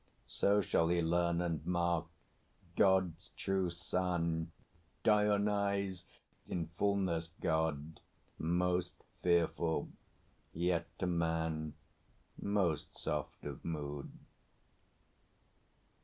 So shall he learn and mark God's true Son, Dionyse, in fulness God, Most fearful, yet to man most soft of mood.